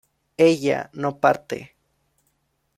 ella no parte